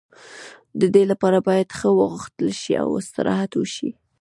د دې لپاره باید ښه واغوستل شي او استراحت وشي.